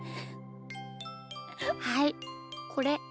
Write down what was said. はいこれ。